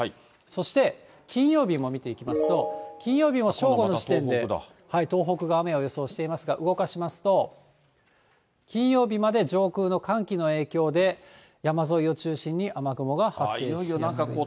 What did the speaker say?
そして金曜日も見ていきますと、金曜日も正午の時点で東北が雨を予想していますが、動かしますと、金曜日まで上空の寒気の影響で山沿いを中心に雨雲が発生しやすい。